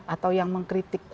atau yang mengkritik